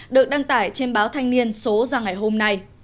được đăng tải trên báo thanh niên số ra ngày hôm nay